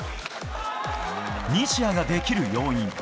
西矢ができる要因